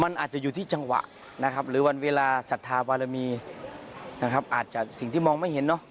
มันอาจจะอยู่ที่จังหวะนะครับหรือวันเวลาศรัทธาบารมีนะครับอาจจะสิ่งที่มองไม่เห็นเนอะ